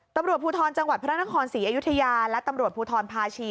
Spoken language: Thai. ตำรวจภูทรจังหวัดพระนครศรีอยุธยาและตำรวจภูทรภาชี